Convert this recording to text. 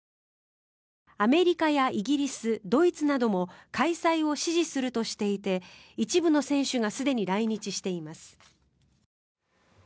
アメリカやイギリスドイツなども開催を支持するとしていて一部の選手がすでに来日しています。